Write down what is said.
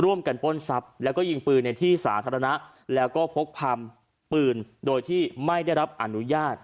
ปล้นทรัพย์แล้วก็ยิงปืนในที่สาธารณะแล้วก็พกพาปืนโดยที่ไม่ได้รับอนุญาต